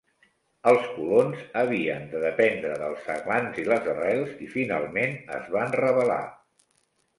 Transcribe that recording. Els colons havien de dependre dels aglans i les arrels i finalment es van rebel·lar.